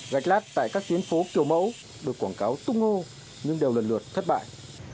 gạch lát tại các tuyến phố kiểu mẫu được quảng cáo tung hô nhưng đều lần lượt thất bại